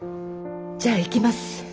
じゃあ行きます。